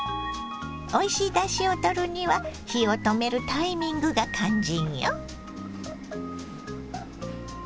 おいしいだしをとるには火を止めるタイミングが肝心よ。